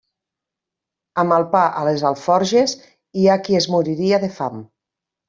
Amb el pa a les alforges hi ha qui es moriria de fam.